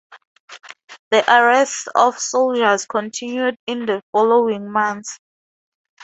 The arrests of soldiers continued in the following months.